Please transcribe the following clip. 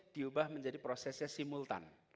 diubah menjadi prosesnya simultan